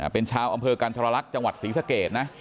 เป็นชาวอำเภอกันธรรลักษณ์จังหวัดศรีสเกตนะ